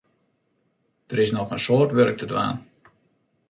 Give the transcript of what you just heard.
Der is noch in soad wurk te dwaan.